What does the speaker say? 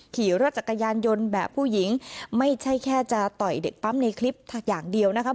ขี่รถจักรยานยนต์แบบผู้หญิงไม่ใช่แค่จะต่อยเด็กปั๊มในคลิปอย่างเดียวนะคะ